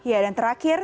ya dan terakhir